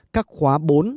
các khóa bốn năm sáu bảy tám